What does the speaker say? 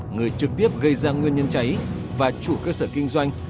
người trực tiếp gây ra nguyên nhân cháy và chủ cơ sở kinh doanh